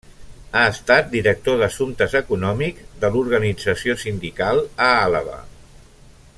Ha estat director d'Assumptes Econòmics de l'Organització Sindical a Àlaba.